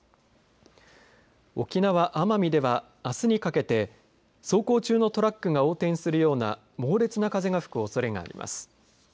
沖縄・奄美ではあすにかけて走行中のトラックが横転するような猛烈な風が吹くおそれがあります。